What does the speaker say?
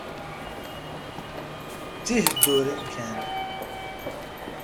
D tiheddurin kan.